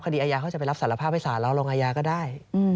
คดีอาญาเขาจะไปรับสารภาพให้สารแล้วลงอาญาก็ได้